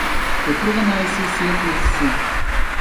يوپۇرغا ناھىيەسى سىيەك يېزىسى